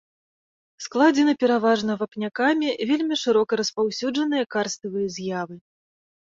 Складзены пераважна вапнякамі, вельмі шырока распаўсюджаныя карставыя з'явы.